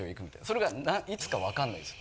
それがいつか分かんないんです。